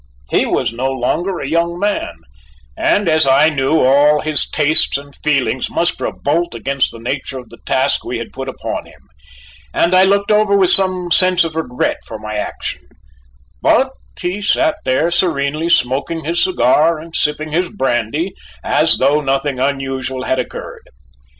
He was no longer a young man and, as I knew, all his tastes and feelings must revolt against the nature of the task we had put upon him, and I looked over with some sense of regret for my action, but he sat there serenely smoking his cigar, and sipping his brandy as though nothing unusual had occurred.